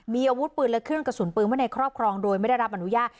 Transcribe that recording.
มีอาวุธปืนและเครื่องกระสุนปืนไว้ในครอบครองโดยไม่ได้รับอนุญาต